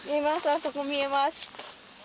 あそこ見えます。